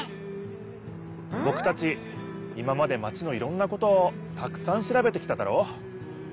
ぼくたち今までマチのいろんなことをたくさんしらべてきただろ。